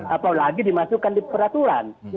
apalagi dimasukkan di peraturan